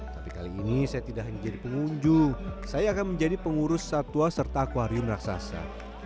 tapi kali ini saya tidak hanya jadi pengunjung saya akan menjadi pengurus satwa serta akwarium raksasa